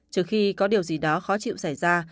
trừ khi có điều gì đó khó chịu xảy ra